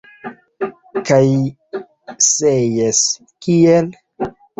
Kaj se jes, kiel?